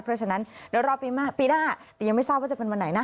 เพราะฉะนั้นเดี๋ยวรอปีหน้าปีหน้าแต่ยังไม่ทราบว่าจะเป็นวันไหนนะ